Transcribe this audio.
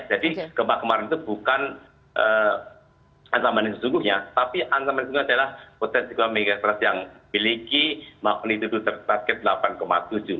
jadi gempa kemarin itu bukan ansaman yang sesungguhnya tapi ansaman yang sesungguhnya adalah potensi kemarin megatras yang memiliki maknitudon target delapan tujuh